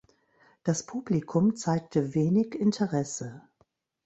Das Publikum zeigte wenig Interesse.